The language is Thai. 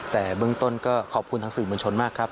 แต่เบื้องต้นก็ขอบคุณทางสื่อมวลชนมากครับ